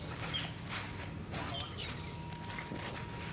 Tá ótimo.